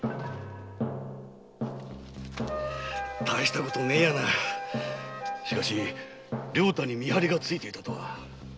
大したことねえやなだが良太に見張りがついていたとは。